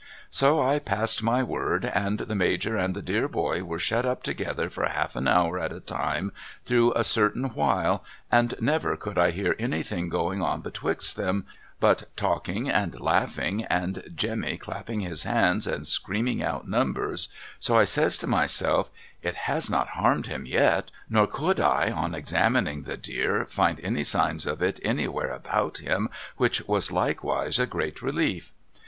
So I passed my word and the Major and the dear boy were shut 344 MRS. LiRRIPEk'S LODGINGS up together for half an hour at a time through a certain while, and never could I hear anything going on betwixt them but talking and laughing and Jemmy clapjiing his hands and screaming out numbers, so 1 says to myself 'it has not harmed him yet' nor could I on examining the dear find any signs of it anywhere about him which was likewise a great relief.